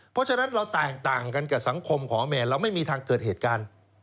เพราะฉะนั้นเราแตกต่างกันกับสังคมของแมนเราไม่มีทางเกิดเหตุการณ์